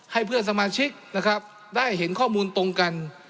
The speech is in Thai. ให้เพื่อนสมาชิกนะครับได้เห็นข้อมูลตรงกัน